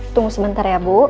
tunggu sebentar ya ibu